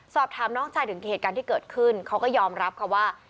สอบถามน้องชายถึงเหตุการณ์ที่เกิดขึ้นเขาก็ยอมรับค่ะว่า